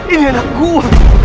ini anak gua